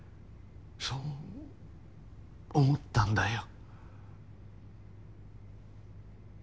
そう思ったんだよ。